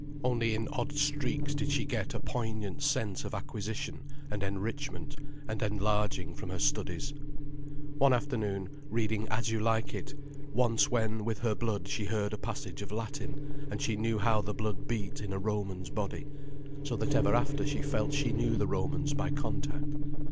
Only in odd streaks did she get a poignant sense of acquisition and enrichment and enlarging from her studies; one afternoon, reading As You Like It; once when, with her blood, she heard a passage of Latin, and she knew how the blood beat in a Roman's body; so that ever after she felt she knew the Romans by contact.